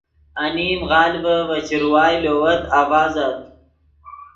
انیم غالڤے ڤے چروائے لووت آڤازت